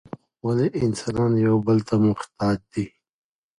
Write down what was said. ولي انسانان یو بل ته محتاج دي؟